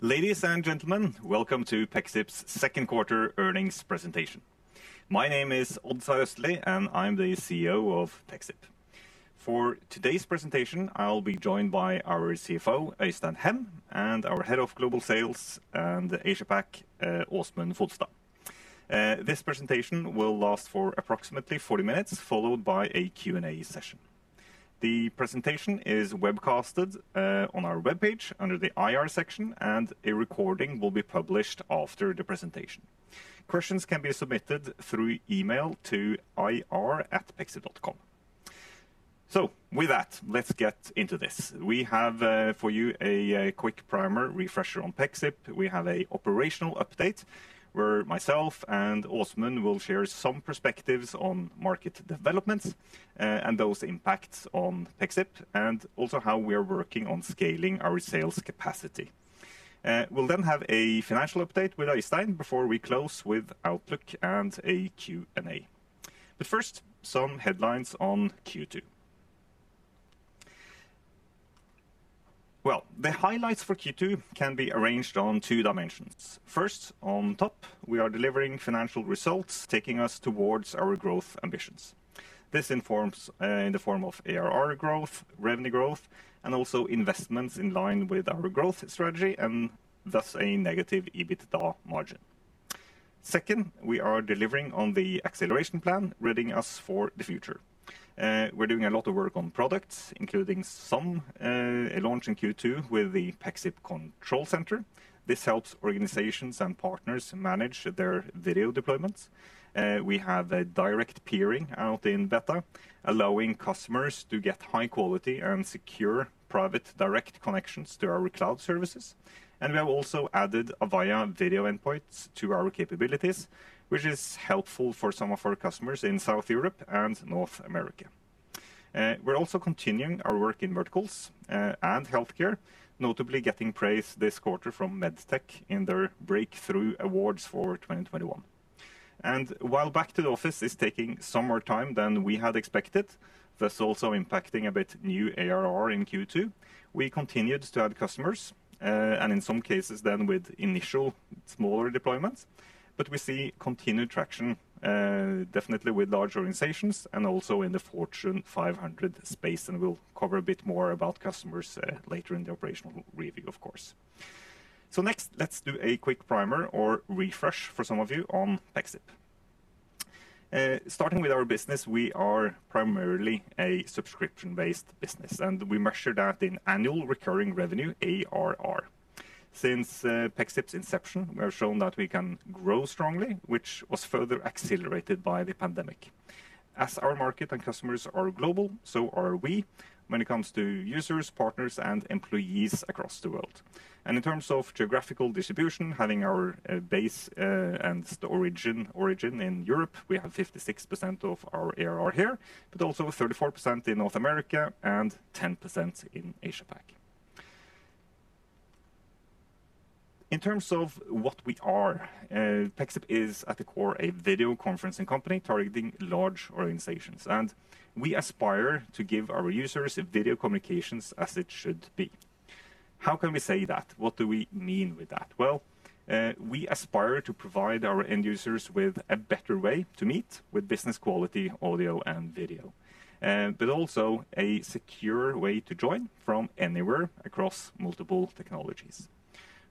Ladies and gentlemen, Welcome to Pexip's second quarter earnings presentation. My name is Odd Sverre Østlie, and I'm the CEO of Pexip. For today's presentation, I'll be joined by our CFO, Øystein Hem, and our head of global sales and APAC, Åsmund Fodstad. This presentation will last for approximately 40 minutes, followed by a Q&A session. The presentation is webcasted on our webpage under the IR section, and a recording will be published after the presentation. Questions can be submitted through email to ir@pexip.com. With that, let's get into this. We have for you a quick primer refresher on Pexip. We have a operational update where myself and Åsmund will share some perspectives on market developments and those impacts on Pexip, and also how we are working on scaling our sales capacity. We'll then have a financial update with Øystein before we close with outlook and a Q&A. First, some headlines on Q2. The highlights for Q2 can be arranged on two dimensions. First, on top, we are delivering financial results, taking us towards our growth ambitions. This in the form of ARR growth, revenue growth, and also investments in line with our growth strategy, and thus a negative EBITDA margin. Second, we are delivering on the acceleration plan, readying us for the future. We're doing a lot of work on products, including some launch in Q2 with the Pexip Control Center. This helps organizations and partners manage their video deployments. We have a Direct Peering out in beta, allowing customers to get high quality and secure private direct connections to our cloud services. We have also added Avaya video endpoints to our capabilities, which is helpful for some of our customers in South Europe and North America. We're also continuing our work in verticals and healthcare, notably getting praise this quarter from MedTech in their Breakthrough Awards for 2021. While back to the office is taking some more time than we had expected, thus also impacting a bit new ARR in Q2, we continued to add customers, and in some cases then with initial smaller deployments. We see continued traction, definitely with large organizations and also in the Fortune 500 space and we'll cover a bit more about customers later in the operational review, of course. Next, let's do a quick primer or refresh for some of you on Pexip. Starting with our business, we are primarily a subscription-based business, and we measure that in annual recurring revenue, ARR. Since Pexip's inception, we have shown that we can grow strongly, which was further accelerated by the pandemic. As our market and customers are global, so are we when it comes to users, partners, and employees across the world. In terms of geographical distribution, having our base and origin in Europe, we have 56% of our ARR here, but also 34% in North America and 10% in APAC. In terms of what we are, Pexip is at the core a video conferencing company targeting large organizations, and we aspire to give our users video communications as it should be. How can we say that? What do we mean with that? Well, we aspire to provide our end users with a better way to meet with business quality audio and video. Also a secure way to join from anywhere across multiple technologies.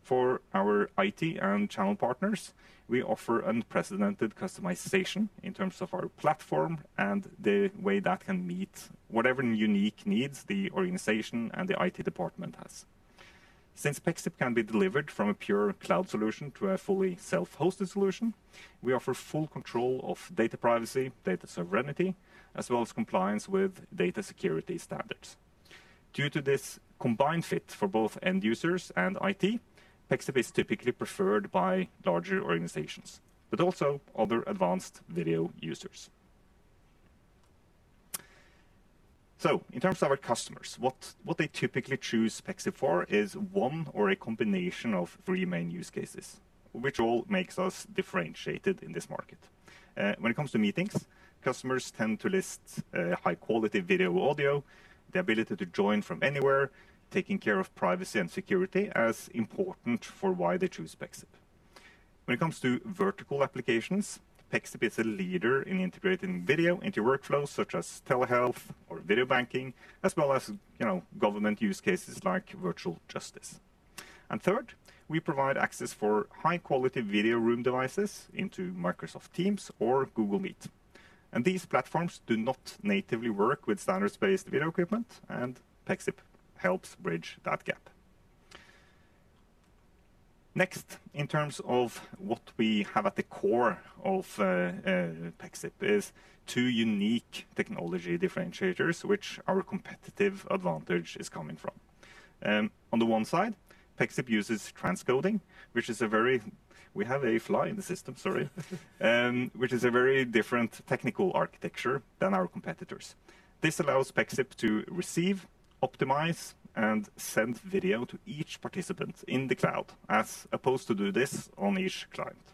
For our IT and channel partners, we offer unprecedented customization in terms of our platform and the way that can meet whatever unique needs the organization and the IT department has. Since Pexip can be delivered from a pure cloud solution to a fully self-hosted solution, we offer full control of data privacy, data sovereignty, as well as compliance with data security standards. Due to this combined fit for both end users and IT, Pexip is typically preferred by larger organizations, but also other advanced video users. In terms of our customers, what they typically choose Pexip for is one or a combination of three main use cases, which all makes us differentiated in this market. When it comes to meetings, customers tend to list high quality video audio, the ability to join from anywhere, taking care of privacy and security as important for why they choose Pexip. When it comes to vertical applications, Pexip is a leader in integrating video into workflows such as telehealth or video banking, as well as government use cases like virtual justice. Third, we provide access for high quality video room devices into Microsoft Teams or Google Meet. These platforms do not natively work with standards-based video equipment, and Pexip helps bridge that gap. Next, in terms of what we have at the core of Pexip is two unique technology differentiators, which our competitive advantage is coming from. On the one side, Pexip uses transcoding, which is a very different technical architecture than our competitors. This allows Pexip to receive, optimize, and send video to each participant in the cloud, as opposed to do this on each client.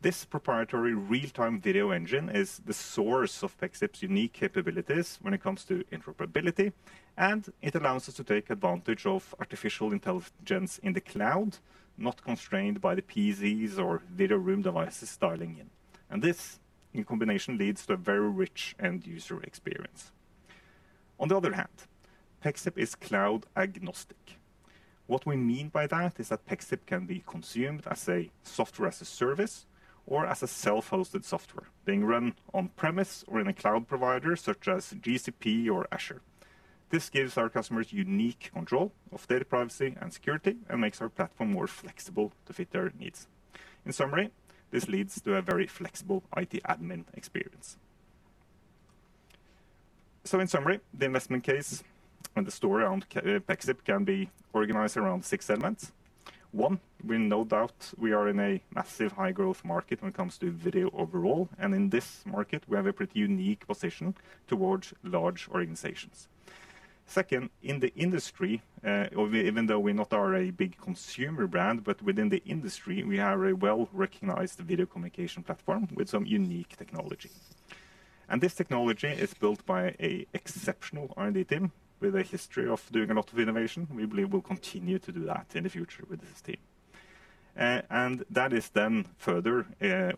This proprietary real-time video engine is the source of Pexip's unique capabilities when it comes to interoperability, and it allows us to take advantage of artificial intelligence in the cloud, not constrained by the PCs or video room devices dialing in. This, in combination, leads to a very rich end-user experience. On the other hand, Pexip is cloud agnostic. What we mean by that is that Pexip can be consumed as a software as a service or as a self-hosted software being run on premise or in a cloud provider such as GCP or Azure. This gives our customers unique control of data privacy and security and makes our platform more flexible to fit their needs. In summary, this leads to a very flexible IT admin experience. In summary, the investment case and the story around Pexip can be organized around six elements. One, we no doubt we are in a massive high growth market when it comes to video overall. In this market, we have a pretty unique position towards large organizations. Second, in the industry, even though we're not a big consumer brand, but within the industry, we are a well-recognized video communication platform with some unique technology. This technology is built by an exceptional R&D team with a history of doing a lot of innovation. We believe we'll continue to do that in the future with this team. That is then further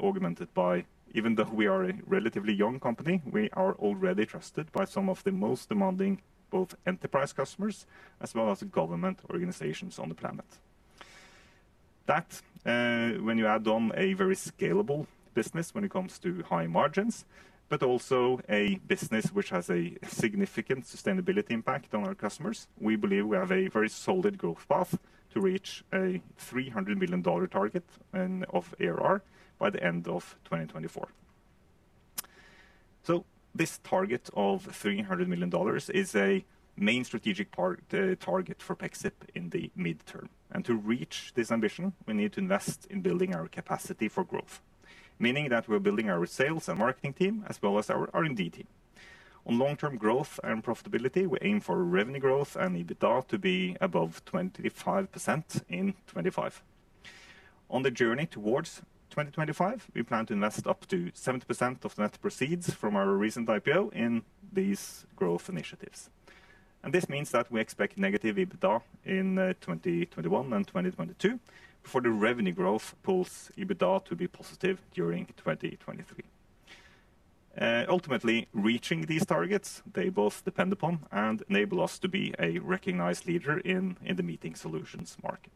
augmented by, even though we are a relatively young company, we are already trusted by some of the most demanding, both enterprise customers as well as government organizations on the planet. When you add on a very scalable business when it comes to high margins, but also a business which has a significant sustainability impact on our customers, we believe we have a very solid growth path to reach a $300 million target of ARR by the end of 2024. This target of $300 million is a main strategic target for Pexip in the midterm. To reach this ambition, we need to invest in building our capacity for growth, meaning that we're building our sales and marketing team as well as our R&D team. On long-term growth and profitability, we aim for revenue growth and EBITDA to be above 25% in 2025. On the journey towards 2025, we plan to invest up to 70% of the net proceeds from our recent IPO in these growth initiatives. This means that we expect negative EBITDA in 2021 and 2022 before the revenue growth pulls EBITDA to be positive during 2023. Ultimately reaching these targets, they both depend upon and enable us to be a recognized leader in the meeting solutions market.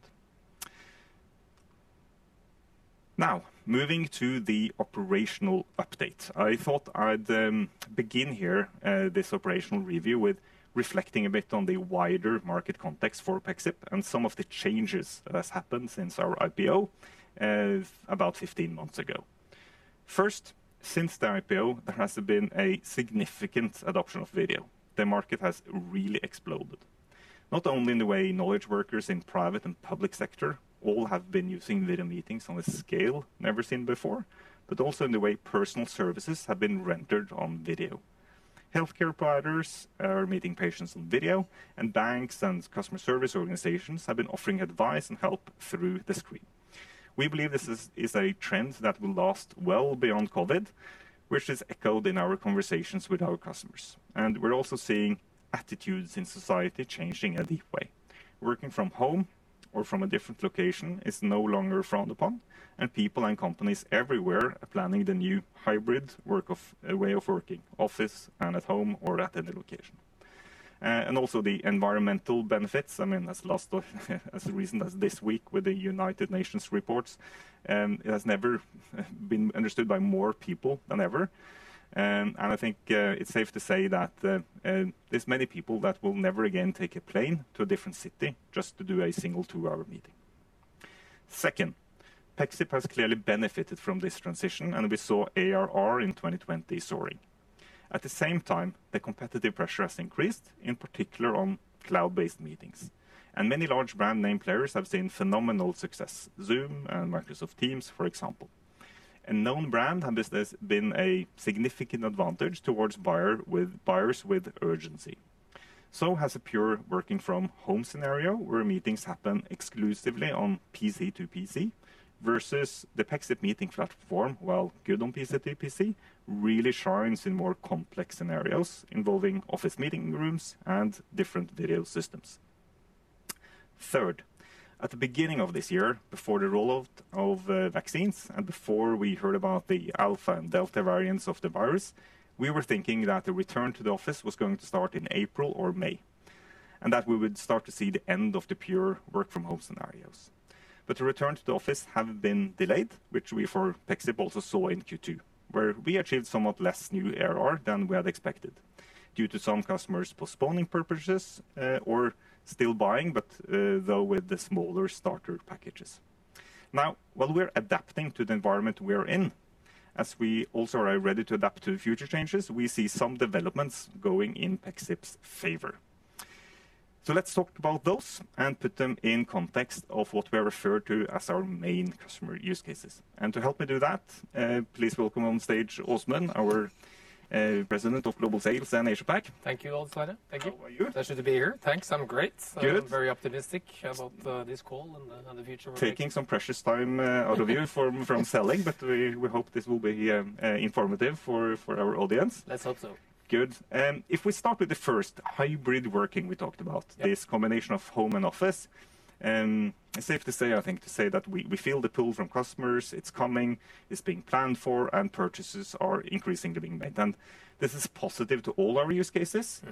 Now moving to the operational update. I thought I'd begin here this operational review with reflecting a bit on the wider market context for Pexip and some of the changes that has happened since our IPO about 15 months ago. Since the IPO, there has been a significant adoption of video. The market has really exploded, not only in the way knowledge workers in private and public sector all have been using video meetings on a scale never seen before, but also in the way personal services have been rendered on video. Healthcare providers are meeting patients on video and banks and customer service organizations have been offering advice and help through the screen. We believe this is a trend that will last well beyond COVID, which is echoed in our conversations with our customers. We're also seeing attitudes in society changing a deep way. Working from home or from a different location is no longer frowned upon, and people and companies everywhere are planning the new hybrid way of working, office and at home or at any location. Also the environmental benefits. I mean, as recent as this week with the United Nations reports, it has never been understood by more people than ever. I think it's safe to say that there's many people that will never again take a plane to a different city just to do a single two-hour meeting. Second, Pexip has clearly benefited from this transition and we saw ARR in 2020 soaring. At the same time, the competitive pressure has increased, in particular on cloud-based meetings, and many large brand name players have seen phenomenal success, Zoom and Microsoft Teams for example. A known brand has been a significant advantage towards buyers with urgency. So has a pure working from home scenario where meetings happen exclusively on PC to PC versus the Pexip meeting platform while good on PC to PC really shines in more complex scenarios involving office meeting rooms and different video systems. Third, at the beginning of this year, before the rollout of vaccines and before we heard about the Alpha and Delta variants of the virus, we were thinking that the return to the office was going to start in April or May and that we would start to see the end of the pure work from home scenarios. The return to the office have been delayed, which we for Pexip also saw in Q2 where we achieved somewhat less new ARR than we had expected due to some customers postponing purchases or still buying but though with the smaller starter packages. While we're adapting to the environment we are in, as we also are ready to adapt to future changes, we see some developments going in Pexip's favor. Let's talk about those and put them in context of what we refer to as our main customer use cases. To help me do that, please welcome on stage, Åsmund, our President of global sales and Asia-Pac. Thank you, Odd Sverre. Thank you. How are you? Pleasure to be here. Thanks. I'm great. Good. I'm very optimistic about this call and about the future. Taking some precious time out of you from selling, we hope this will be informative for our audience. Let's hope so. Good. If we start with the first, hybrid working, we talked about. Yes. This combination of home and office. It's safe, I think, to say that we feel the pull from customers. It's coming, it's being planned for, purchases are increasingly being made. This is positive to all our use cases.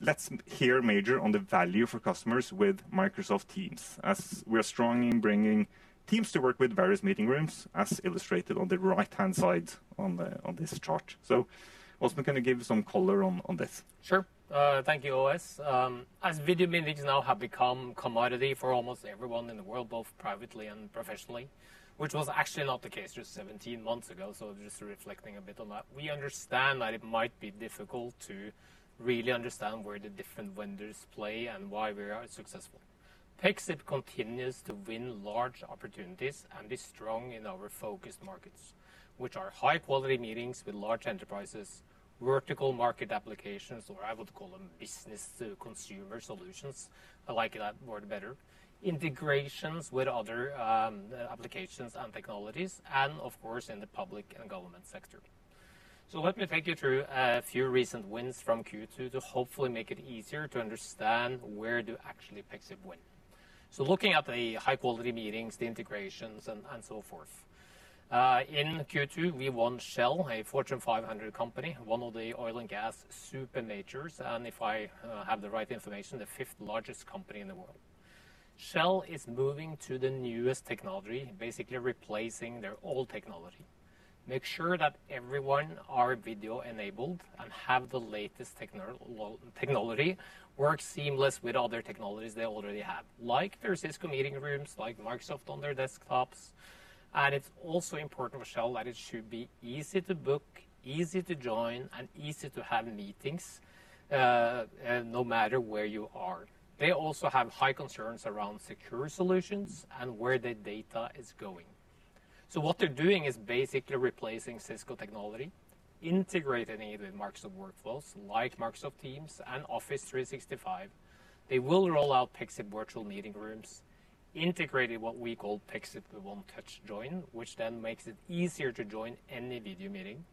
Let's here major on the value for customers with Microsoft Teams, as we are strong in bringing Teams to work with various meeting rooms, as illustrated on the right-hand side on this chart. Åsmund going to give some color on this. Sure. Thank you, Odd. As video meetings now have become commodity for almost everyone in the world, both privately and professionally, which was actually not the case just 17 months ago, just reflecting a bit on that. We understand that it might be difficult to really understand where the different vendors play and why we are successful. Pexip continues to win large opportunities and be strong in our focus markets, which are high-quality meetings with large enterprises, vertical market applications, or I would call them business to consumer solutions. I like that word better. Integrations with other applications and technologies, and of course, in the public and government sector. Let me take you through a few recent wins from Q2 to hopefully make it easier to understand where do actually Pexip win. Looking at the high-quality meetings, the integrations, and so forth. In Q2, we won Shell, a Fortune 500 company, one of the oil and gas super majors, and if I have the right information, the fifth-largest company in the world. Shell is moving to the newest technology, basically replacing their old technology, make sure that everyone are video enabled and have the latest technology, work seamless with other technologies they already have. Like their Cisco meeting rooms, like Microsoft on their desktops, and it's also important for Shell that it should be easy to book, easy to join, and easy to have meetings, no matter where you are. They also have high concerns around secure solutions and where their data is going. What they're doing is basically replacing Cisco technology, integrating it with Microsoft workflows like Microsoft Teams and Office 365. They will roll out Pexip virtual meeting rooms, integrated what we call Pexip One-Touch Join, which then makes it easier to join any video meeting.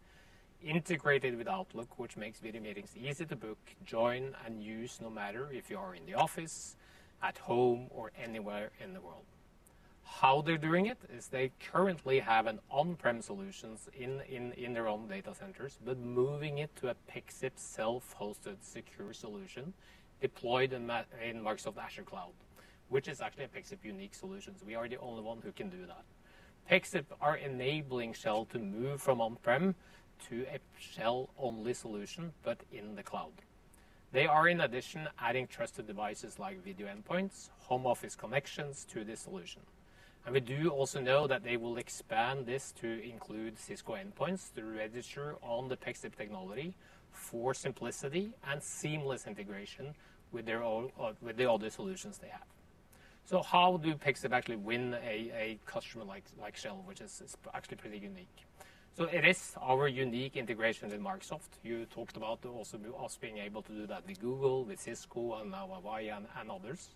Integrated with Outlook, which makes video meetings easy to book, join, and use, no matter if you are in the office, at home, or anywhere in the world. How they're doing it is they currently have an on-prem solutions in their own data centers, but moving it to a Pexip self-hosted secure solution deployed in Microsoft Azure Cloud. Which is actually a Pexip unique solution. We are the only one who can do that. Pexip are enabling Shell to move from on-prem to a Shell-only solution, but in the cloud. They are, in addition, adding trusted devices like video endpoints, home office connections to this solution. We do also know that they will expand this to include Cisco endpoints to register on the Pexip technology for simplicity and seamless integration with the other solutions they have. How do Pexip actually win a customer like Shell, which is actually pretty unique? It is our unique integration with Microsoft. You talked about also us being able to do that with Google, with Cisco, and now Avaya and others,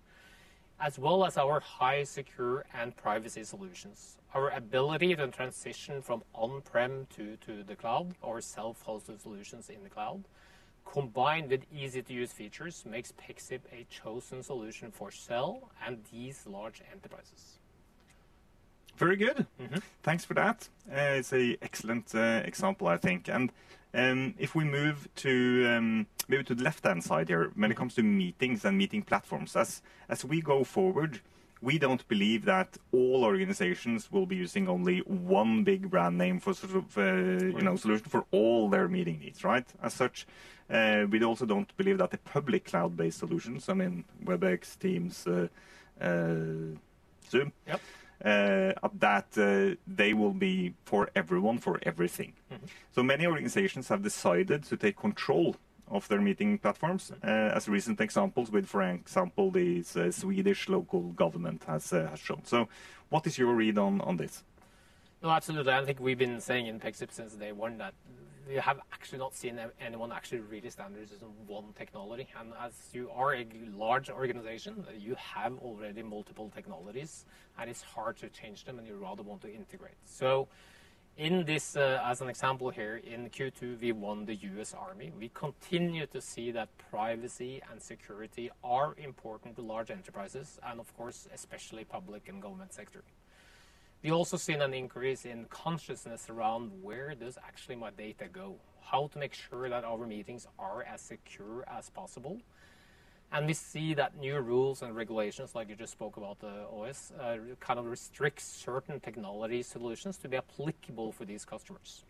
as well as our high secure and privacy solutions. Our ability to transition from on-prem to the cloud or self-hosted solutions in the cloud, combined with easy-to-use features, makes Pexip a chosen solution for Shell and these large enterprises. Very good. Thanks for that. It's an excellent example, I think. If we move to the left-hand side here. When it comes to meetings and meeting platforms, as we go forward, we don't believe that all organizations will be using only one big brand name for solution for all their meeting needs, right? As such, we also don't believe that the public cloud-based solutions, I mean Webex, Teams, Zoom. Yep. That they will be for everyone, for everything. Many organizations have decided to take control of their meeting platforms, as recent examples with, for example, the Swedish local government has shown. What is your read on this? No, absolutely. I think we've been saying in Pexip since day one that we have actually not seen anyone actually really standardizing one technology. As you are a large organization, you have already multiple technologies, and it's hard to change them, and you rather want to integrate. In this, as an example here in Q2, we won the US Army. We continue to see that privacy and security are important to large enterprises and of course, especially public and government sector. We also seen an increase in consciousness around where does actually my data go, how to make sure that our meetings are as secure as possible. We see that new rules and regulations, like you just spoke about, Odd, kind of restrict certain technology solutions to be applicable for these customers.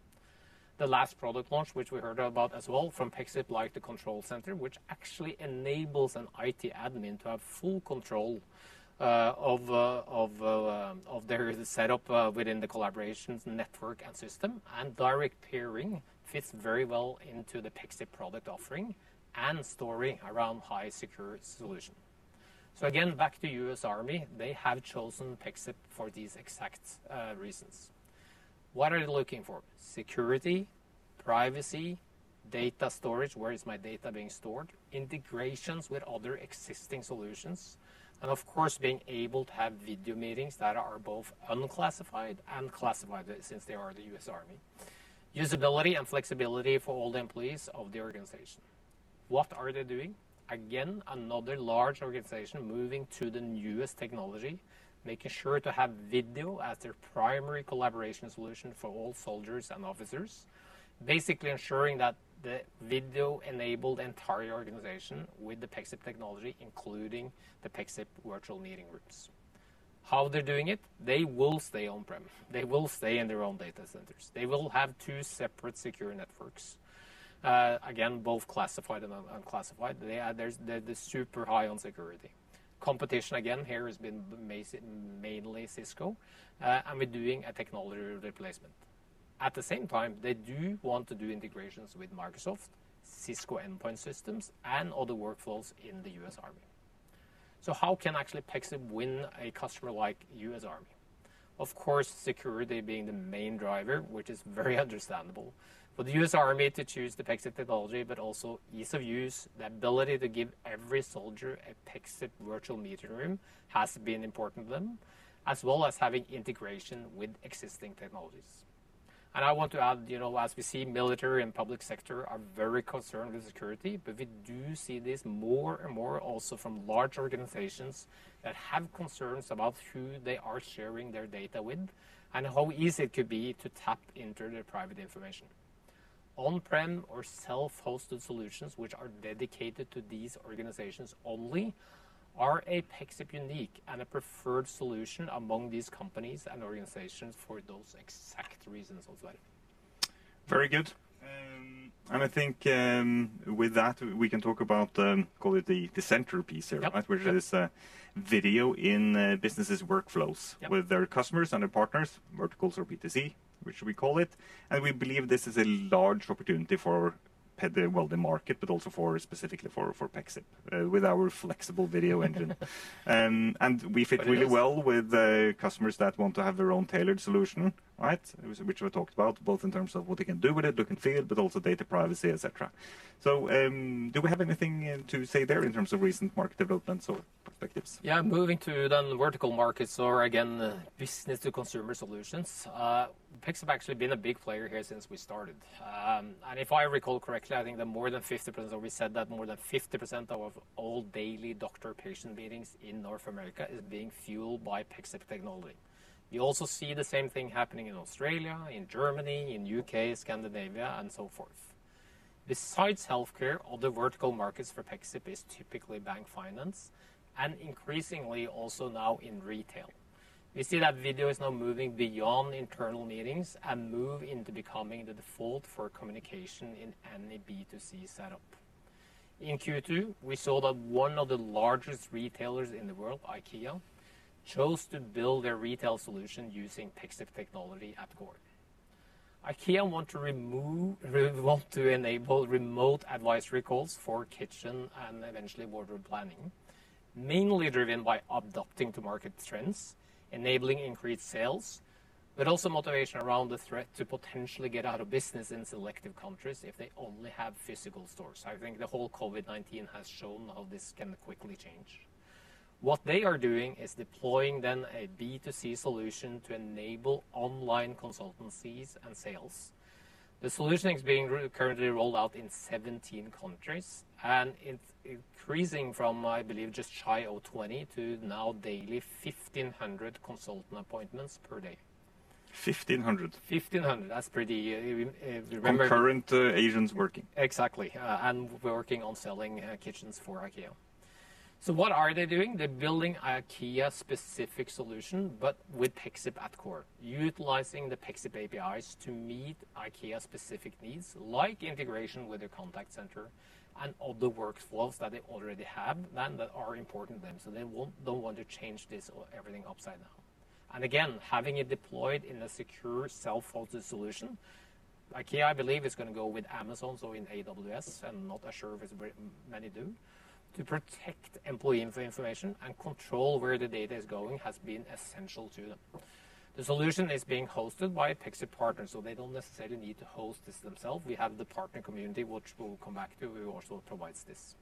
The last product launch, which we heard about as well from Pexip, like the Control Center, which actually enables an IT admin to have full control of their setup within the collaborations network and system, and Direct Peering fits very well into the Pexip product offering and story around high secure solution. Again, back to US Army, they have chosen Pexip for these exact reasons. What are they looking for? Security, privacy, data storage, where is my data being stored, integrations with other existing solutions, and of course, being able to have video meetings that are both unclassified and classified, since they are the US Army. Usability and flexibility for all the employees of the organization. What are they doing? Again, another large organization moving to the newest technology, making sure to have video as their primary collaboration solution for all soldiers and officers. Basically ensuring that the video enabled the entire organization with the Pexip technology, including the Pexip virtual meeting rooms. How they're doing it, they will stay on-prem. They will stay in their own data centers. They will have two separate secure networks. Again, both classified and unclassified. They're super high on security. Competition again, here has been mainly Cisco, and we're doing a technology replacement. At the same time, they do want to do integrations with Microsoft, Cisco endpoint systems, and other workflows in the U.S. Army. How can actually Pexip win a customer like U.S. Army? Of course, security being the main driver, which is very understandable for the U.S. Army to choose the Pexip technology, but also ease of use, the ability to give every soldier a Pexip virtual meeting room has been important to them, as well as having integration with existing technologies. I want to add, as we see military and public sector are very concerned with security, but we do see this more and more also from large organizations that have concerns about who they are sharing their data with and how easy it could be to tap into their private information. On-prem or self-hosted solutions, which are dedicated to these organizations only, are a Pexip unique and a preferred solution among these companies and organizations for those exact reasons as well. Very good. I think with that, we can talk about, call it the centerpiece here. Yeah. Which is video in businesses' workflows. Yeah. With their customers and their partners, verticals or B2C, which we call it. We believe this is a large opportunity for, well, the market, but also specifically for Pexip, with our flexible video engine. We fit really well with customers that want to have their own tailored solution, which we talked about, both in terms of what they can do with it, look and feel, but also data privacy, et cetera. Do we have anything to say there in terms of recent market developments or perspectives? Moving to then vertical markets or again, business to consumer solutions. Pexip have actually been a big player here since we started. If I recall correctly, I think that more than 50%, or we said that more than 50% of all daily doctor-patient meetings in North America is being fueled by Pexip technology. You also see the same thing happening in Australia, in Germany, in U.K., Scandinavia and so forth. Besides healthcare, other vertical markets for Pexip is typically bank finance and increasingly also now in retail. We see that video is now moving beyond internal meetings and move into becoming the default for communication in any B2C setup. In Q2, we saw that one of the largest retailers in the world, IKEA, chose to build their retail solution using Pexip technology at core. IKEA want to enable remote advisory calls for kitchen and eventually wardrobe planning, mainly driven by adapting to market trends, enabling increased sales, but also motivation around the threat to potentially get out of business in selective countries if they only have physical stores. I think the whole COVID-19 has shown how this can quickly change. What they are doing is deploying then a B2C solution to enable online consultancies and sales. The solution is being currently rolled out in 17 countries, and it's increasing from, I believe, just shy of 20 to now daily 1,500 consultant appointments per day. 1,500? 1,500. That's pretty. Current agents working? Exactly, and working on selling kitchens for IKEA. What are they doing? They're building IKEA specific solution, but with Pexip at core, utilizing the Pexip APIs to meet IKEA specific needs, like integration with their contact center and other workflows that they already have then that are important to them. They don't want to change this or everything upside down. And again, having it deployed in a secure self-hosted solution, IKEA, I believe, is going to go with Amazon, so in AWS, and not Azure as many do, to protect employee information and control where the data is going has been essential to them. The solution is being hosted by a Pexip partner, so they don't necessarily need to host this themselves. We have the partner community, which we'll come back to, who also provides this.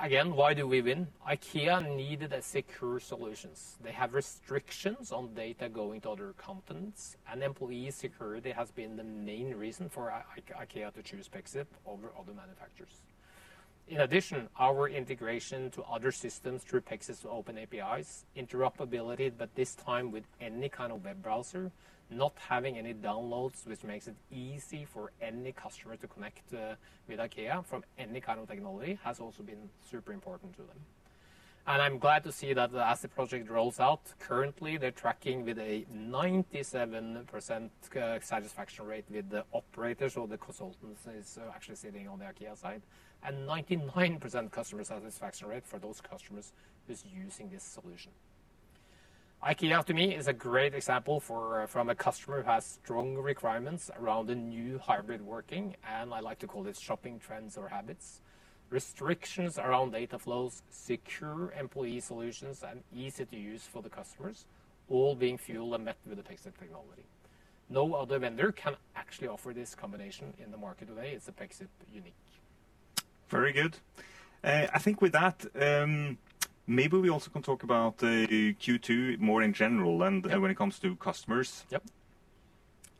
Again, why do we win? IKEA needed a secure solutions. They have restrictions on data going to other continents and employee security has been the main reason for IKEA to choose Pexip over other manufacturers. In addition, our integration to other systems through Pexip's open APIs, interoperability, but this time with any kind of web browser, not having any downloads, which makes it easy for any customer to connect with IKEA from any kind of technology, has also been super important to them. I'm glad to see that as the project rolls out, currently they're tracking with a 97% satisfaction rate with the operators or the consultants actually sitting on the IKEA side, and 99% customer satisfaction rate for those customers who's using this solution. IKEA, to me, is a great example from a customer who has strong requirements around the new hybrid working, and I like to call it shopping trends or habits, restrictions around data flows, secure employee solutions, and easy to use for the customers, all being fueled and met with the Pexip technology. No other vendor can actually offer this combination in the market today. It's Pexip unique. Very good. I think with that, maybe we also can talk about Q2 more in general and when it comes to customers. Yep.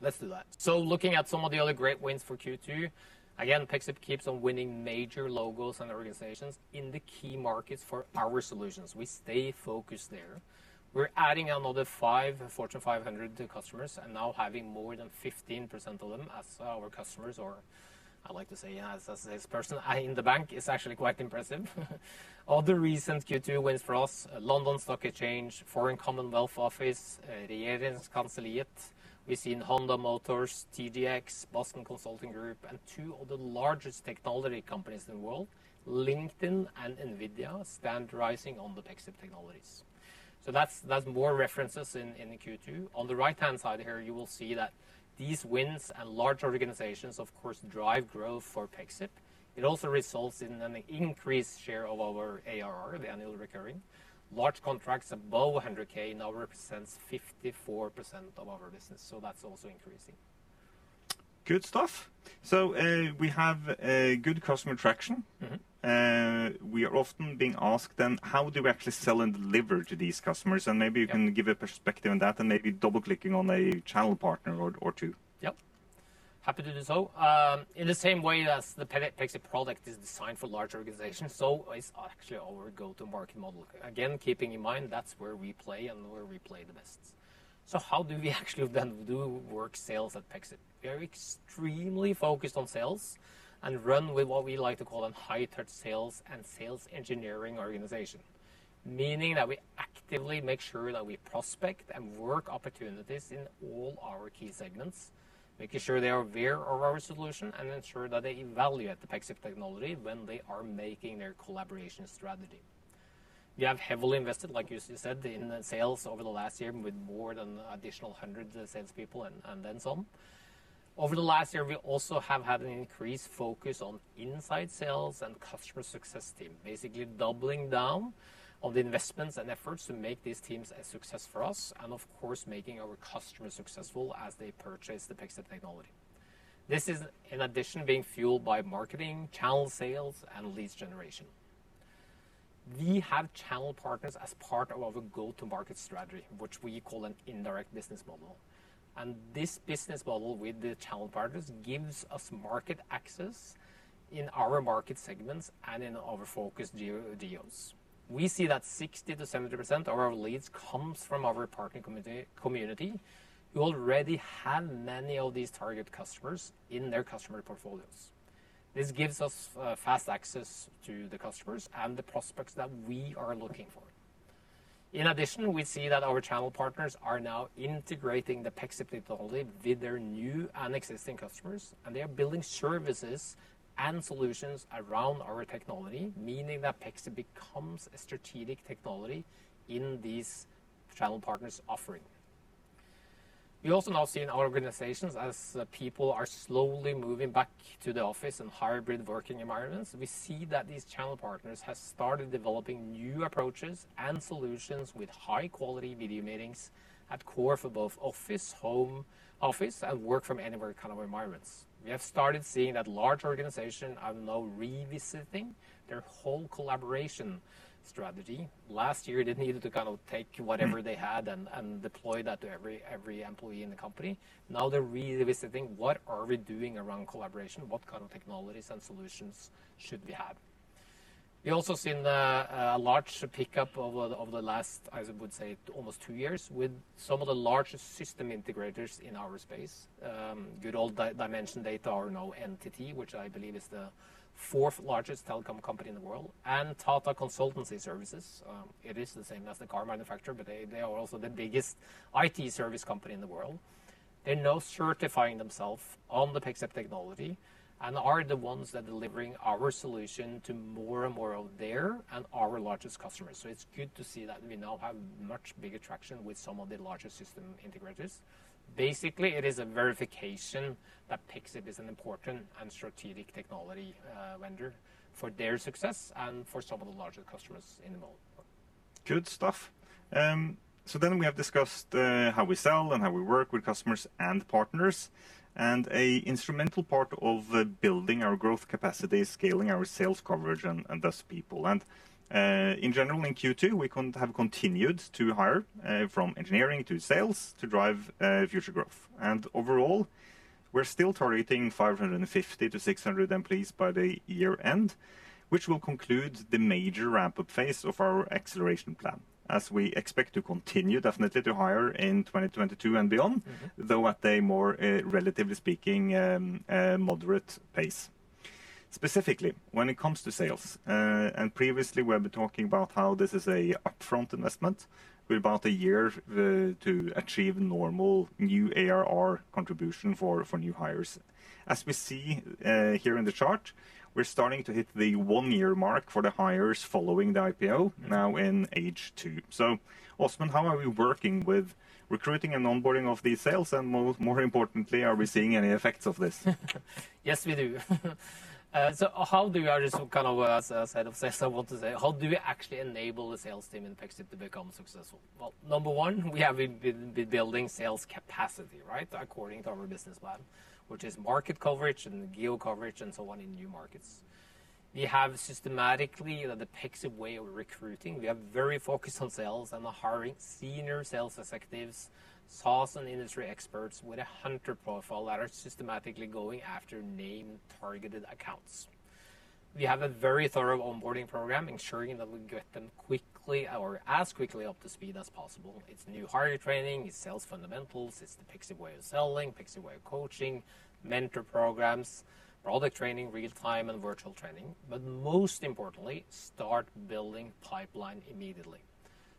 Let's do that. Looking at some of the other great wins for Q2, again, Pexip keeps on winning major logos and organizations in the key markets for our solutions. We stay focused there. We're adding another five Fortune 500 customers and now having more than 15% of them as our customers or I like to say as a salesperson, in the bank, it's actually quite impressive. Other recent Q2 wins for us, London Stock Exchange, Foreign, Commonwealth & Development Office, Regeringskansliet. We've seen Honda Motor, TDX, Boston Consulting Group, and two of the largest technology companies in the world, LinkedIn and NVIDIA, standardizing on the Pexip technologies. That's more references in Q2. On the right-hand side here, you will see that these wins and large organizations, of course, drive growth for Pexip. It also results in an increased share of our ARR, the annual recurring. Large contracts above 100,000 now represents 54% of our business. That's also increasing. Good stuff. We have good customer traction. We are often being asked then, how do we actually sell and deliver to these customers? Maybe you can give a perspective on that and maybe double-clicking on a channel partner or two. Yep. Happy to do so. In the same way that the Pexip product is designed for large organizations, so is actually our go-to-market model. Again, keeping in mind, that's where we play and where we play the best. How do we actually then do work sales at Pexip? We are extremely focused on sales and run with what we like to call a high-touch sales and sales engineering organization, meaning that we actively make sure that we prospect and work opportunities in all our key segments, making sure they are aware of our solution and ensure that they evaluate the Pexip technology when they are making their collaboration strategy. We have heavily invested, like you said, in the sales over the last year with more than additional hundreds of salespeople and then some. Over the last year, we also have had an increased focus on inside sales and customer success team, basically doubling down on the investments and efforts to make these teams a success for us and, of course, making our customers successful as they purchase the Pexip technology. This is in addition being fueled by marketing, channel sales, and leads generation. We have channel partners as part of a go-to-market strategy, which we call an indirect business model. This business model with the channel partners gives us market access in our market segments and in our focus deals. We see that 60%-70% of our leads comes from our partner community who already have many of these target customers in their customer portfolios. This gives us fast access to the customers and the prospects that we are looking for. We see that our channel partners are now integrating the Pexip technology with their new and existing customers, and they are building services and solutions around our technology, meaning that Pexip becomes a strategic technology in these channel partners' offering. We also now see in our organizations as people are slowly moving back to the office and hybrid working environments, we see that these channel partners have started developing new approaches and solutions with high-quality video meetings at core for both office, home office, and work from anywhere kind of environments. We have started seeing that large organization are now revisiting their whole collaboration strategy. Last year, they needed to take whatever they had and deploy that to every employee in the company. They're revisiting what are we doing around collaboration? What kind of technologies and solutions should we have? We also seen a large pickup over the last, I would say, almost two years with some of the largest system integrators in our space. Good old Dimension Data are now NTT, which I believe is the fourth largest telecom company in the world, and Tata Consultancy Services. It is the same as the car manufacturer, but they are also the biggest IT service company in the world. They're now certifying themselves on the Pexip technology and are the ones that delivering our solution to more and more of their and our largest customers. It's good to see that we now have much bigger traction with some of the largest system integrators. Basically, it is a verification that Pexip is an important and strategic technology vendor for their success and for some of the larger customers in the world. Good stuff. We have discussed how we sell and how we work with customers and partners, and an instrumental part of building our growth capacity is scaling our sales coverage and thus people. In general, in Q2, we have continued to hire from engineering to sales to drive future growth. Overall, we're still targeting 550 to 600 employees by the year-end, which will conclude the major ramp-up phase of our acceleration plan as we expect to continue definitely to hire in 2022 and beyond, though at a more, relatively speaking, moderate pace. Specifically, when it comes to sales, previously we have been talking about how this is an upfront investment with about a year to achieve normal new ARR contribution for new hires. As we see here in the chart, we're starting to hit the one-year mark for the hires following the IPO now in H2. Åsmund how are we working with recruiting and onboarding of these sales? More importantly, are we seeing any effects of this? Yes, we do. As head of sales, I want to say, how do we actually enable the sales team in Pexip to become successful? Well, number one, we have been building sales capacity. According to our business plan, which is market coverage and geo coverage and so on in new markets. We have systematically the Pexip way of recruiting. We are very focused on sales and hiring senior sales executives, SaaS and industry experts with a hunter profile that are systematically going after named targeted accounts. We have a very thorough onboarding program ensuring that we get them quickly or as quickly up to speed as possible. It's new hire training, it's sales fundamentals, it's the Pexip way of selling, Pexip way of coaching, mentor programs, product training, real-time and virtual training. Most importantly, start building pipeline immediately.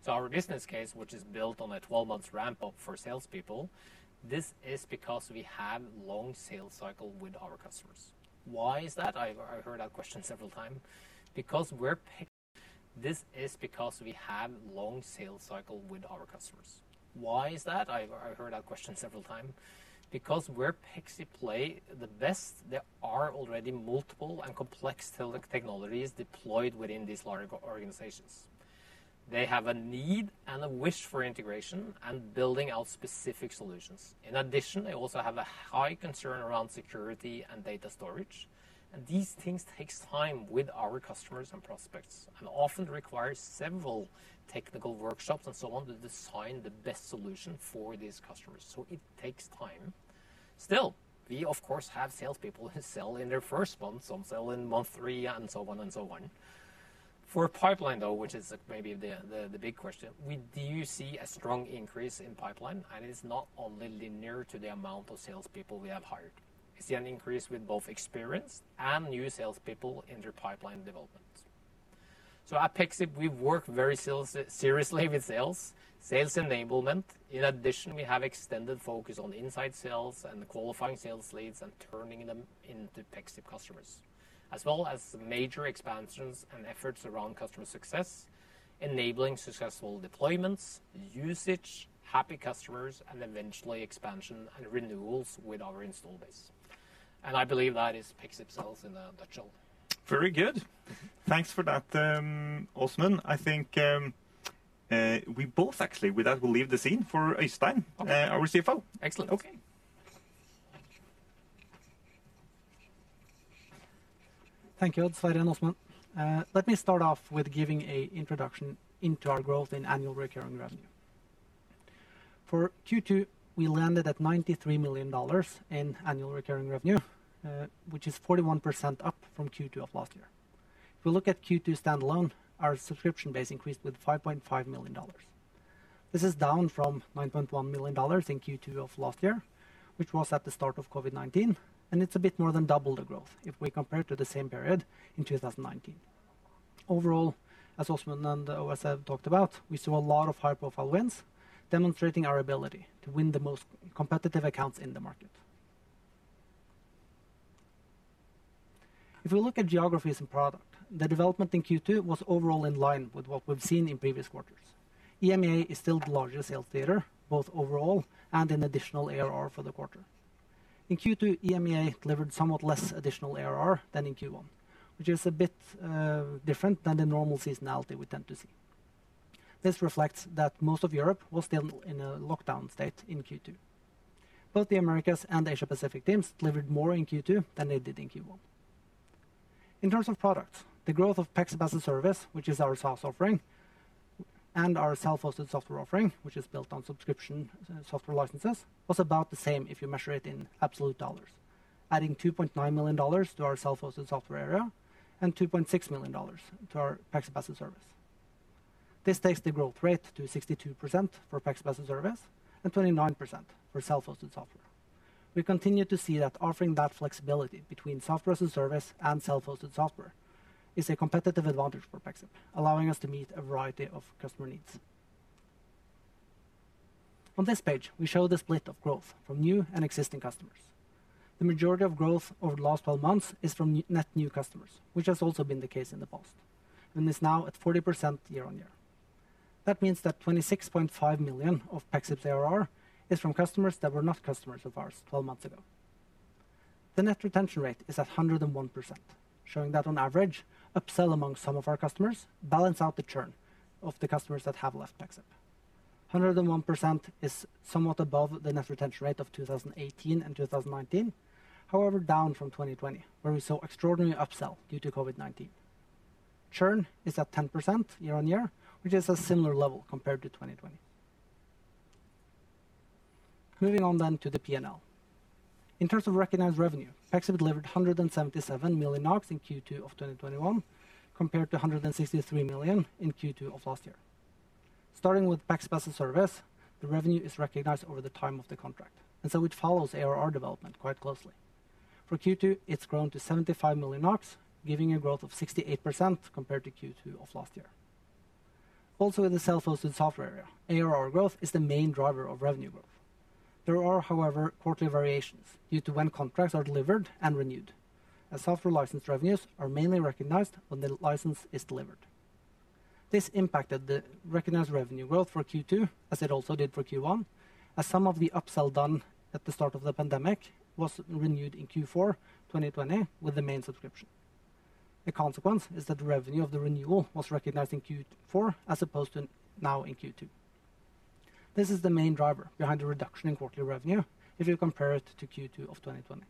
Our business case, which is built on a 12-month ramp-up for salespeople, this is because we have long sales cycle with our customers. Why is that? I've heard that question several times. Where Pexip play the best, there are already multiple and complex technologies deployed within these large organizations. They have a need and a wish for integration and building out specific solutions. In addition, they also have a high concern around security and data storage. These things takes time with our customers and prospects, and often requires several technical workshops and so on to design the best solution for these customers. It takes time. Still, we of course, have salespeople who sell in their first month, some sell in month three, and so on. For pipeline, though, which is maybe the big question, we do see a strong increase in pipeline. It's not only linear to the amount of salespeople we have hired. We see an increase with both experienced and new salespeople in their pipeline development. At Pexip, we work very seriously with sales enablement. In addition, we have extended focus on inside sales and qualifying sales leads and turning them into Pexip customers, as well as major expansions and efforts around customer success, enabling successful deployments, usage, happy customers, and eventually expansion and renewals with our install base. I believe that is Pexip sales in a nutshell. Very good. Thanks for that, Åsmund. I think we both, actually, with that will leave the scene for Øystein, our CFO. Excellent. Okay. Thank you, Odd Sverre and Åsmund. Let me start off with giving an introduction into our growth in annual recurring revenue. For Q2, we landed at $93 million in annual recurring revenue, which is 41% up from Q2 of last year. If we look at Q2 standalone, our subscription base increased with $5.5 million. This is down from $9.1 million in Q2 of last year, which was at the start of COVID-19, and it's a bit more than double the growth if we compare to the same period in 2019. Overall, as Åsmund and OS have talked about, we saw a lot of high-profile wins demonstrating our ability to win the most competitive accounts in the market. If we look at geographies and product, the development in Q2 was overall in line with what we've seen in previous quarters. EMEA is still the largest sales theater, both overall and in additional ARR for the quarter. In Q2, EMEA delivered somewhat less additional ARR than in Q1, which is a bit different than the normal seasonality we tend to see. This reflects that most of Europe was still in a lockdown state in Q2. Both the Americas and the Asia-Pacific teams delivered more in Q2 than they did in Q1. In terms of products, the growth of Pexip-as-a-Service, which is our SaaS offering, and our self-hosted software offering, which is built on subscription software licenses, was about the same if you measure it in absolute dollars. Adding $2.9 million to our self-hosted software ARR, and $2.6 million to our Pexip-as-a-Service. This takes the growth rate to 62% for Pexip-as-a-Service and 29% for self-hosted software. We continue to see that offering that flexibility between Software-as-a-Service and self-hosted software is a competitive advantage for Pexip, allowing us to meet a variety of customer needs. On this page, we show the split of growth from new and existing customers. The majority of growth over the last 12 months is from net new customers, which has also been the case in the past, and is now at 40% year-on-year. That means that $26.5 million of Pexip's ARR is from customers that were not customers of ours 12 months ago. The net retention rate is at 101%, showing that on average, upsell among some of our customers balance out the churn of the customers that have left Pexip. 101% is somewhat above the net retention rate of 2018 and 2019, however, down from 2020, where we saw extraordinary upsell due to COVID-19. Churn is at 10% year-over-year, which is a similar level compared to 2020. Moving on to the P&L. In terms of recognized revenue, Pexip delivered 177 million NOK in Q2 of 2021 compared to 163 million in Q2 of last year. Starting with Pexip-as-a-Service, the revenue is recognized over the time of the contract, it follows ARR development quite closely. For Q2, it's grown to 75 million NOK, giving a growth of 68% compared to Q2 of last year. In the self-hosted software area, ARR growth is the main driver of revenue growth. There are, however, quarterly variations due to when contracts are delivered and renewed, as software license revenues are mainly recognized when the license is delivered. This impacted the recognized revenue growth for Q2, as it also did for Q1, as some of the upsell done at the start of the pandemic was renewed in Q4 2020 with the main subscription. The consequence is that the revenue of the renewal was recognized in Q4 as opposed to now in Q2. This is the main driver behind the reduction in quarterly revenue if you compare it to Q2 of 2020.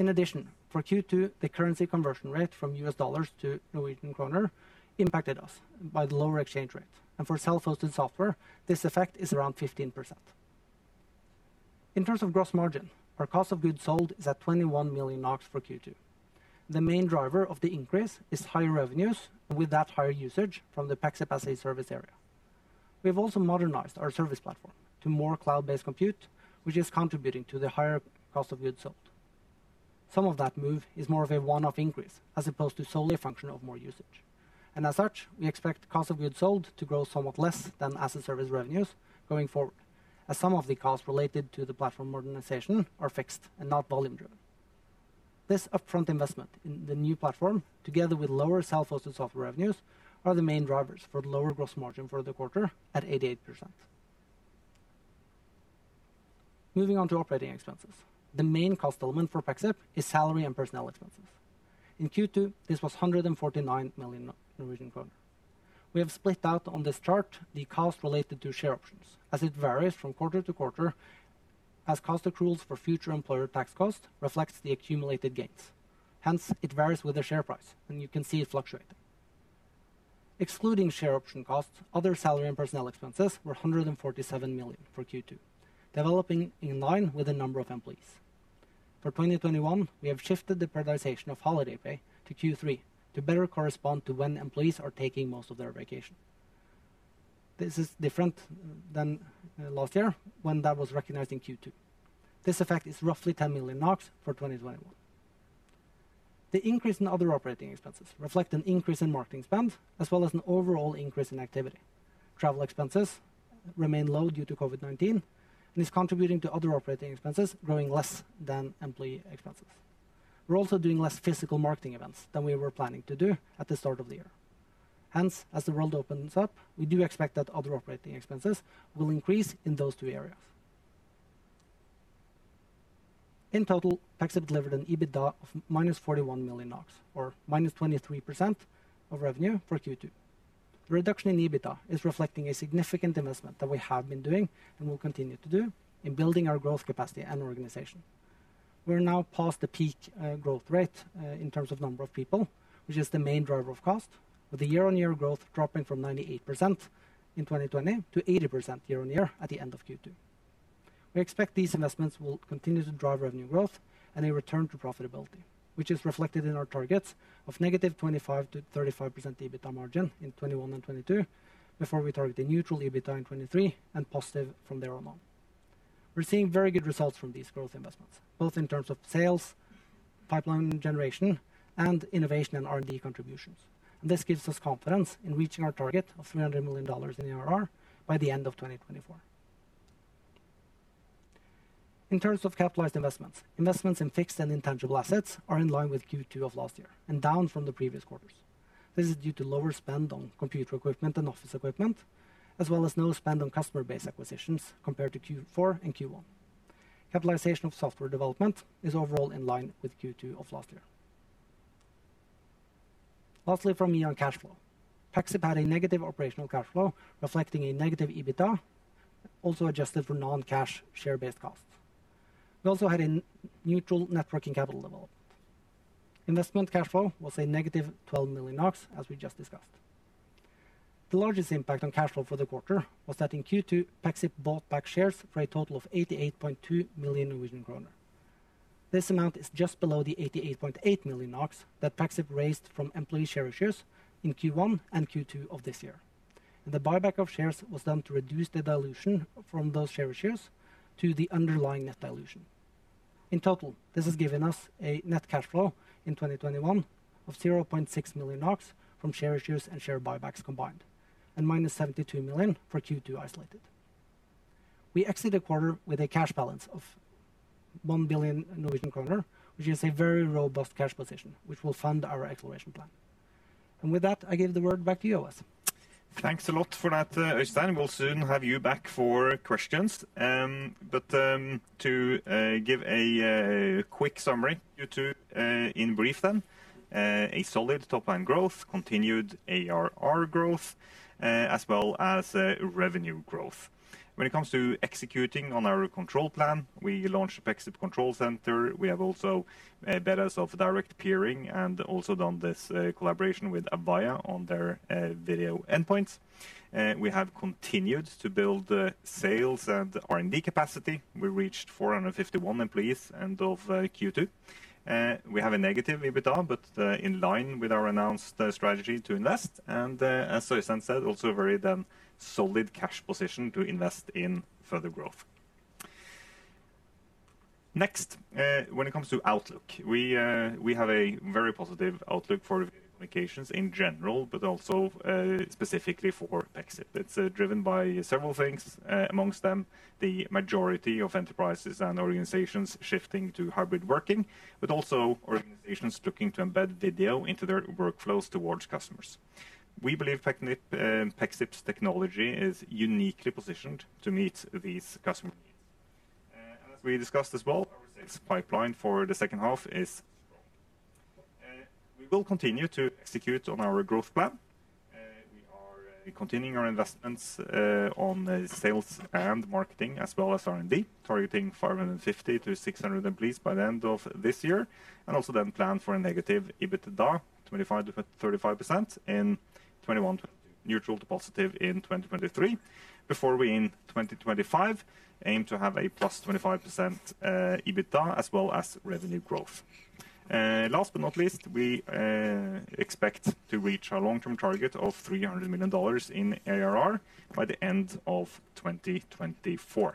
In addition, for Q2, the currency conversion rate from US dollars to Norwegian kroner impacted us by the lower exchange rate. For self-hosted software, this effect is around 15%. In terms of gross margin, our cost of goods sold is at 21 million NOK for Q2. The main driver of the increase is higher revenues, with that, higher usage from the Pexip-as-a-Service area. We've also modernized our service platform to more cloud-based compute, which is contributing to the higher cost of goods sold. Some of that move is more of a one-off increase as opposed to solely a function of more usage. As such, we expect cost of goods sold to grow somewhat less than Pexip-as-a-Service revenues going forward, as some of the costs related to the platform organization are fixed and not volume driven. This upfront investment in the new platform, together with lower self-hosted software revenues, are the main drivers for lower gross margin for the quarter at 88%. Moving on to operating expenses. The main cost element for Pexip is salary and personnel expenses. In Q2, this was 149 million Norwegian kroner. We have split out on this chart the cost related to share options, as it varies from quarter to quarter, as cost accruals for future employer tax cost reflects the accumulated gains. Hence, it varies with the share price, and you can see it fluctuating. Excluding share option costs, other salary and personnel expenses were 147 million for Q2, developing in line with the number of employees. For 2021, we have shifted the prioritization of holiday pay to Q3 to better correspond to when employees are taking most of their vacation. This is different than last year when that was recognized in Q2. This effect is roughly 10 million NOK for 2021. The increase in other operating expenses reflect an increase in marketing spend, as well as an overall increase in activity. Travel expenses remain low due to COVID-19 and is contributing to other operating expenses growing less than employee expenses. We're also doing less physical marketing events than we were planning to do at the start of the year. Hence, as the world opens up, we do expect that other operating expenses will increase in those two areas. In total, Pexip delivered an EBITDA of minus 41 million NOK, or minus 23% of revenue for Q2. The reduction in EBITDA is reflecting a significant investment that we have been doing and will continue to do in building our growth capacity and organization. We're now past the peak growth rate, in terms of number of people, which is the main driver of cost, with the year-on-year growth dropping from 98% in 2020 to 80% year-on-year at the end of Q2. We expect these investments will continue to drive revenue growth and a return to profitability, which is reflected in our targets of negative 25%-35% EBITDA margin in 2021 and 2022, before we target a neutral EBITDA in 2023 and positive from there on out. We are seeing very good results from these growth investments, both in terms of sales, pipeline generation, and innovation and R&D contributions. This gives us confidence in reaching our target of $300 million in ARR by the end of 2024. In terms of capitalized investments in fixed and intangible assets are in line with Q2 of last year and down from the previous quarters. This is due to lower spend on computer equipment and office equipment, as well as no spend on customer base acquisitions compared to Q4 and Q1. Capitalization of software development is overall in line with Q2 of last year. Lastly from me on cash flow. Pexip had a negative operational cash flow reflecting a negative EBITDA, also adjusted for non-cash share-based costs. We also had a neutral net working capital development. Investment cash flow was a negative 12 million NOK, as we just discussed. The largest impact on cash flow for the quarter was that in Q2, Pexip bought back shares for a total of 88.2 million Norwegian kroner. This amount is just below the 88.8 million NOK that Pexip raised from employee share issues in Q1 and Q2 of this year. The buyback of shares was done to reduce the dilution from those share issues to the underlying net dilution. In total, this has given us a net cash flow in 2021 of 0.6 million NOK from share issues and share buybacks combined, and minus 72 million for Q2 isolated. We exit the quarter with a cash balance of 1 billion Norwegian kroner, which is a very robust cash position, which will fund our exploration plan. With that, I give the word back to you, Odd. Thanks a lot for that, Øystein. We'll soon have you back for questions. To give a quick summary, Q2 in brief, then. A solid top-line growth, continued ARR growth, as well as revenue growth. When it comes to executing on our control plan, we launched Pexip Control Center. We have also bettered off direct peering and also done this collaboration with Avaya on their video endpoints. We have continued to build sales and R&D capacity. We reached 451 em ployees end of Q2. We have a negative EBITDA, in line with our announced strategy to invest. As Øystein said, also a very solid cash position to invest in further growth. Next, when it comes to outlook, we have a very positive outlook for video communications in general, also specifically for Pexip. It's driven by several things, amongst them, the majority of enterprises and organizations shifting to hybrid working, but also organizations looking to embed video into their workflows towards customers. We believe Pexip's technology is uniquely positioned to meet these customer needs. As we discussed as well, our sales pipeline for the second half is strong. We will continue to execute on our growth plan. We are continuing our investments on sales and marketing, as well as R&D, targeting 550-600 employees by the end of this year, plan for a negative EBITDA 25%-35% in 2021, neutral to positive in 2023, before we in 2025 aim to have a +25% EBITDA, as well as revenue growth. Last but not least, we expect to reach our long-term target of $300 million in ARR by the end of 2024.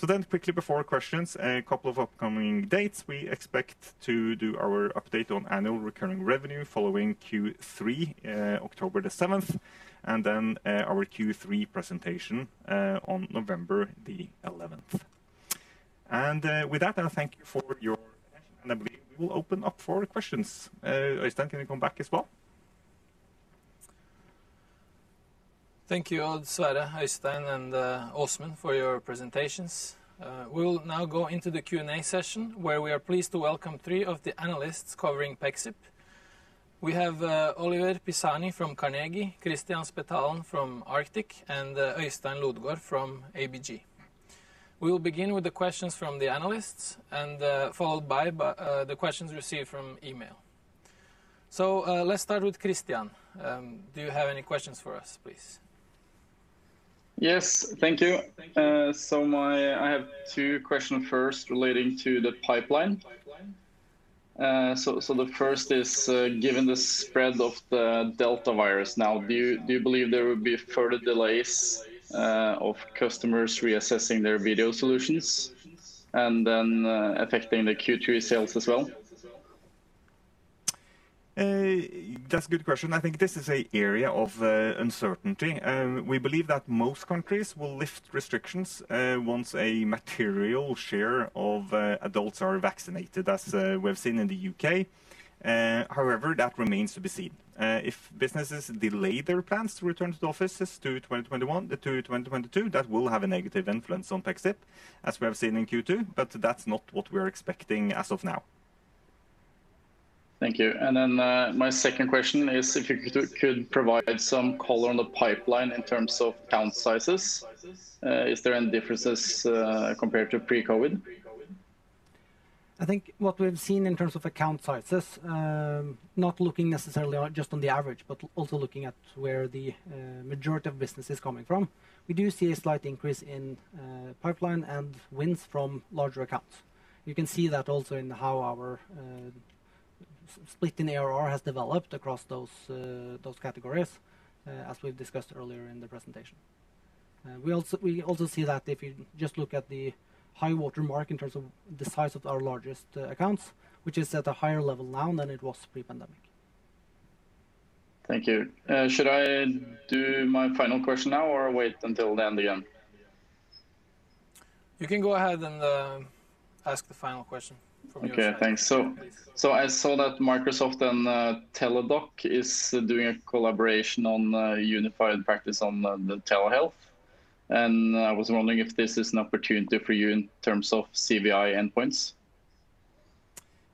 Quickly before questions, a couple of upcoming dates. We expect to do our update on annual recurring revenue following Q3, October 7th, and then our Q3 presentation on November 11th. With that, I thank you for your attention, and I believe we will open up for questions. Øystein, can you come back as well? Thank you, Odd Sverre, Øystein, and Åsmund for your presentations. We'll now go into the Q&A session, where we are pleased to welcome three of the analysts covering Pexip. We have Oliver Pisani from Carnegie, Kristian Spetalen from Arctic, and Øystein Lodgaard from ABG. We will begin with the questions from the analysts, and followed by the questions received from email. Let's start with Kristian. Do you have any questions for us, please? Yes. Thank you. I have two questions first relating to the pipeline. The first is, given the spread of the Delta virus now, do you believe there will be further delays of customers reassessing their video solutions, and then affecting the Q2 sales as well? That's a good question. I think this is an area of uncertainty. We believe that most countries will lift restrictions once a material share of adults are vaccinated, as we have seen in the U.K. However, that remains to be seen. If businesses delay their plans to return to the offices to 2021-2022, that will have a negative influence on Pexip, as we have seen in Q2, but that's not what we're expecting as of now. Thank you. My second question is if you could provide some color on the pipeline in terms of account sizes. Is there any differences compared to pre-COVID? I think what we've seen in terms of account sizes, not looking necessarily just on the average, but also looking at where the majority of business is coming from, we do see a slight increase in pipeline and wins from larger accounts. You can see that also in how our split in ARR has developed across those categories, as we've discussed earlier in the presentation. We also see that if you just look at the high water mark in terms of the size of our largest accounts, which is at a higher level now than it was pre-pandemic. Thank you. Should I do my final question now or wait until the end again? You can go ahead and ask the final question from your side. Okay, thanks. I saw that Microsoft and Teladoc is doing a collaboration on unified practice on the telehealth, and I was wondering if this is an opportunity for you in terms of CVI endpoints.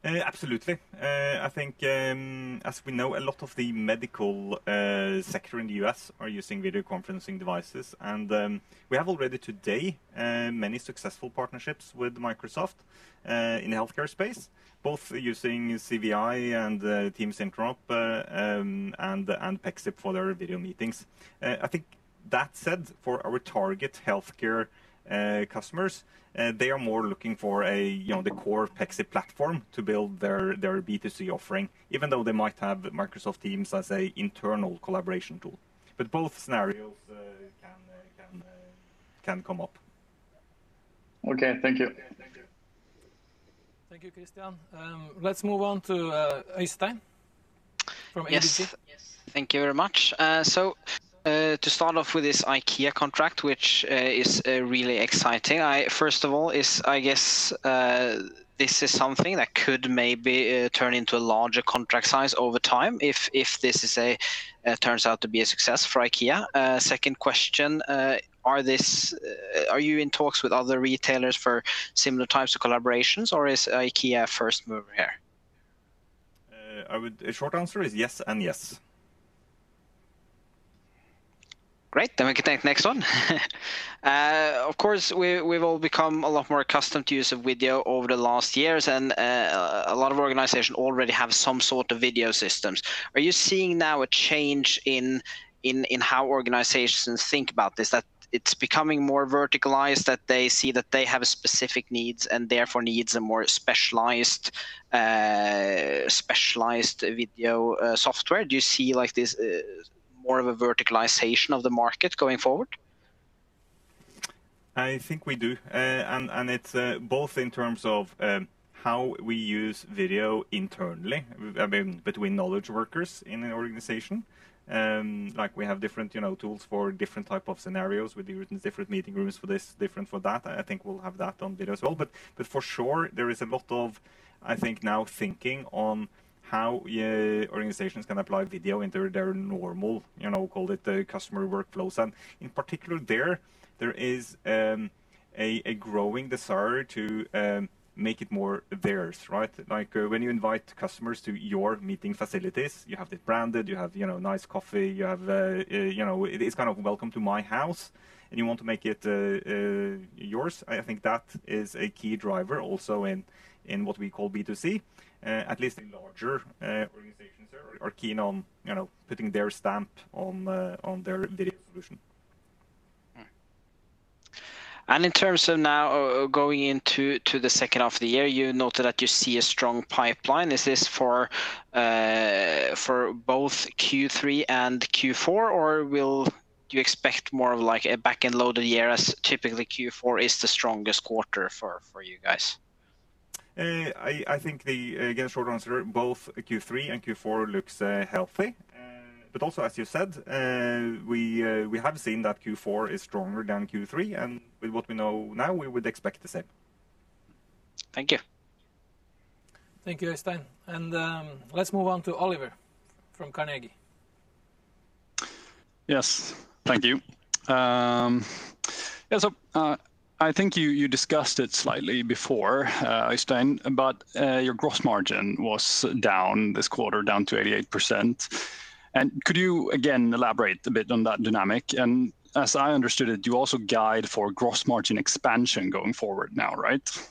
Absolutely. I think, as we know, a lot of the medical sector in the U.S. are using video conferencing devices. We have already today many successful partnerships with Microsoft in the healthcare space, both using CVI and Teams Interop and Pexip for their video meetings. I think that said, for our target healthcare customers, they are more looking for the core Pexip platform to build their B2C offering, even though they might have Microsoft Teams as an internal collaboration tool. Both scenarios can come up. Okay. Thank you. Thank you, Kristian. Let's move on to Øystein from ABG. Yes. Thank you very much. To start off with this IKEA contract, which is really exciting. First of all, I guess this is something that could maybe turn into a larger contract size over time if this turns out to be a success for IKEA. Second question, are you in talks with other retailers for similar types of collaborations, or is IKEA a first mover here? A short answer is yes and yes. Great. We can take the next one. Of course, we've all become a lot more accustomed to use of video over the last years, and a lot of organizations already have some sort of video systems. Are you seeing now a change in how organizations think about this, that it's becoming more verticalized, that they see that they have specific needs and therefore needs a more specialized video software? Do you see like this more of a verticalization of the market going forward? I think we do. It's both in terms of how we use video internally, between knowledge workers in an organization. We have different tools for different type of scenarios. We've different meeting rooms for this, different for that. I think we'll have that on video as well. For sure, there is a lot of, I think now, thinking on how organizations can apply video into their normal, call it, customer workflows. In particular there is a growing desire to make it more theirs. Like when you invite customers to your meeting facilities, you have it branded, you have nice coffee, it is kind of, "Welcome to my house," and you want to make it yours. I think that is a key driver also in what we call B2C. At least in larger organizations are keen on putting their stamp on their video solution. Right. In terms of now going into the second half of the year, you noted that you see a strong pipeline. Is this for both Q3 and Q4, or will you expect more of a back-end loaded year, as typically Q4 is the strongest quarter for you guys? I think the short answer, both Q3 and Q4 looks healthy. As you said, we have seen that Q4 is stronger than Q3, and with what we know now, we would expect the same. Thank you. Thank you, Øystein. Let's move on to Oliver from Carnegie. Yes. Thank you. I think you discussed it slightly before, Øystein, but your gross margin was down this quarter, down to 88%. Could you again elaborate a bit on that dynamic? As I understood it, you also guide for gross margin expansion going forward now, right?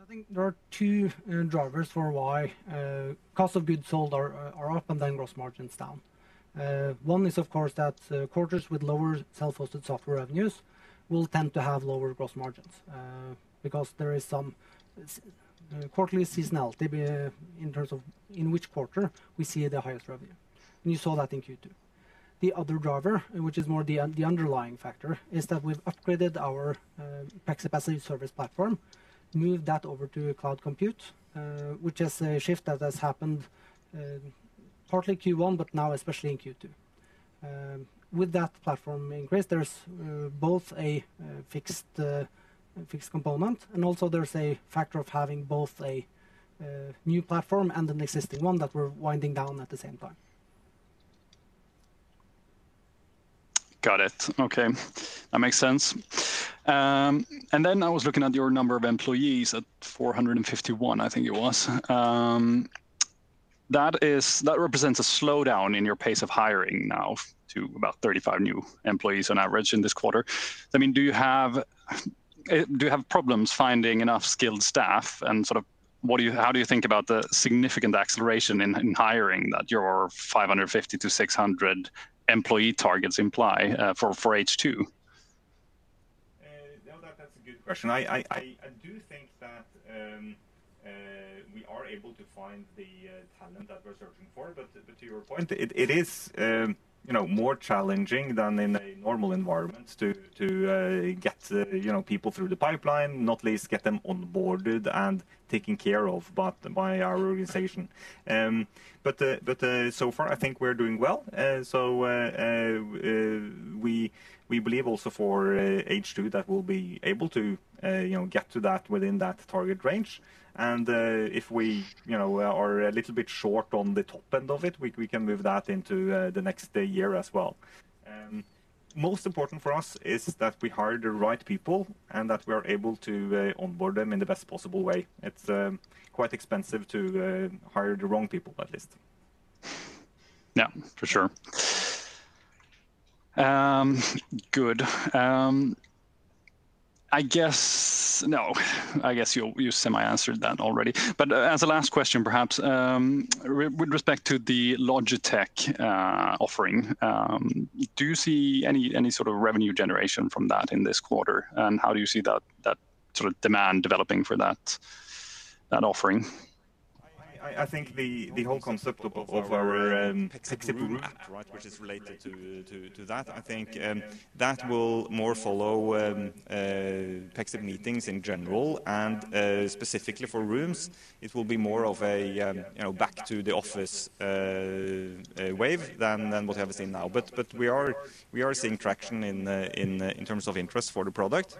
I think there are two drivers for why cost of goods sold are up and then gross margins down. One is of course, that quarters with lower self-hosted software revenues will tend to have lower gross margins, because there is some quarterly seasonality in terms of in which quarter we see the highest revenue. You saw that in Q2. The other driver, which is more the underlying factor, is that we've upgraded our Pexip Capacity Service platform, moved that over to cloud compute, which is a shift that has happened partly Q1, but now especially in Q2. With that platform increase, there's both a fixed component and also there's a factor of having both a new platform and an existing one that we're winding down at the same time. Got it. Okay. That makes sense. I was looking at your number of employees at 451, I think it was. That represents a slowdown in your pace of hiring now to about 35 new employees on average in this quarter. Do you have problems finding enough skilled staff, and how do you think about the significant acceleration in hiring that your 550-600 employee targets imply for H2? That's a good question. I do think that we are able to find the talent that we're searching for. To your point, it is more challenging than in a normal environment to get people through the pipeline, not least get them onboarded and taken care of by our organization. So far, I think we're doing well. We believe also for H2 that we'll be able to get to that within that target range. If we are a little bit short on the top end of it, we can move that into the next year as well. Most important for us is that we hire the right people, and that we are able to onboard them in the best possible way. It's quite expensive to hire the wrong people, at least. Yeah, for sure. Good. I guess you semi answered that already. As a last question perhaps, with respect to the Logitech offering, do you see any sort of revenue generation from that in this quarter? How do you see that demand developing for that offering? I think the whole concept of our Pexip Room app, which is related to that, I think that will more follow Pexip Meetings in general, and specifically for rooms, it will be more of a back to the office wave than what we have seen now. We are seeing traction in terms of interest for the product.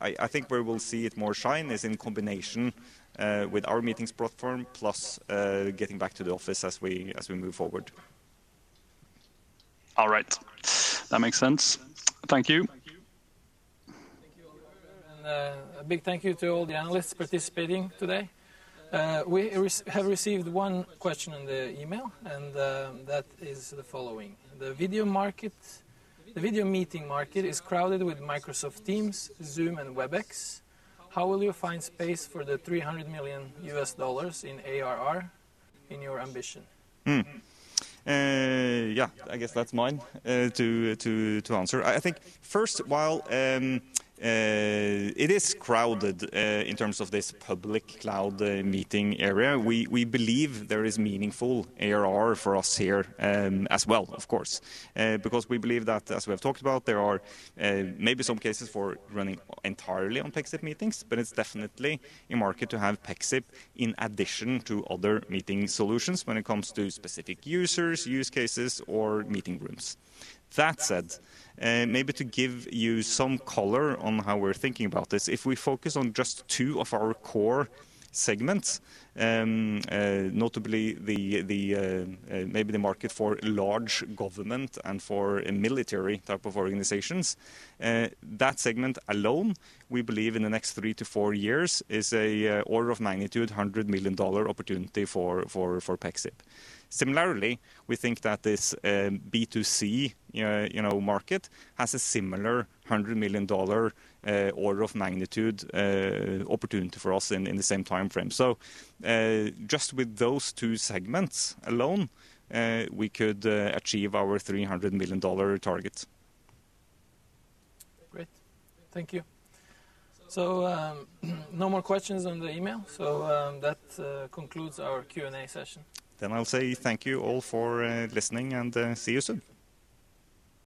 I think where we'll see it more shine is in combination with our meetings platform plus getting back to the office as we move forward. All right. That makes sense. Thank you. Thank you, Oliver, a big thank you to all the analysts participating today. We have received one question in the email, and that is the following. The video meeting market is crowded with Microsoft Teams, Zoom, and Webex. How will you find space for the $300 million in ARR in your ambition? Yeah, I guess that's mine to answer. I think first, while it is crowded in terms of this public cloud meeting area, we believe there is meaningful ARR for us here as well, of course. Because we believe that, as we have talked about, there are maybe some cases for running entirely on Pexip Meetings, but it's definitely a market to have Pexip in addition to other meeting solutions when it comes to specific users, use cases or meeting rooms. That said, maybe to give you some color on how we're thinking about this, if we focus on just two of our core segments, notably maybe the market for large government and for military type of organizations. That segment alone, we believe in the next three to four years, is a order of magnitude $100 million opportunity for Pexip. Similarly, we think that this B2C market has a similar $100 million order of magnitude opportunity for us in the same timeframe. Just with those two segments alone, we could achieve our $300 million target. Great. Thank you. No more questions on the email, so that concludes our Q&A session. I'll say thank you all for listening and see you soon.